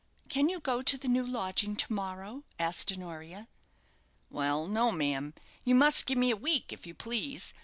"Can you go to the new lodging to morrow?" asked Honoria. "Well, no, ma'am; you must give me a week, if you please.